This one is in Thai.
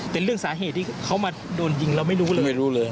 เป็นเรื่องสาเหตุที่เขามาโดนยิงเราไม่รู้เลย